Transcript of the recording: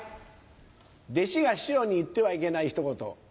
弟子が師匠に言ってはいけないひと言。